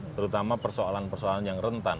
terutama persoalan persoalan yang rentan